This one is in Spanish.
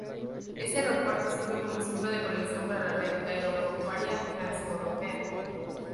Es aeropuerto sirve como centro de conexión para la red aeroportuaria transeuropea.